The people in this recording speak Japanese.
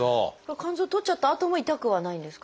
肝臓採っちゃったあとも痛くはないんですか？